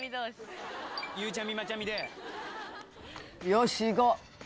よしいこう。